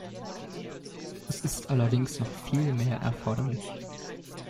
Es ist allerdings noch viel mehr erforderlich.